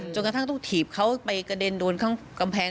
จนกระทั่งต้องถีบเขาไปกระเด็นโดนข้างกำแพง